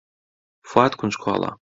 فواد کونجکۆڵە.